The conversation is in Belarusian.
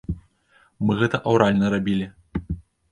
Мы гэта аўральна рабілі.